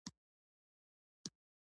ارزښتونه د یوه ملت هغه مجموعه ده.